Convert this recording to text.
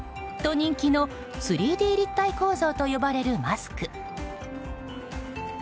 と人気の３Ｄ立体構造と呼ばれるマスク。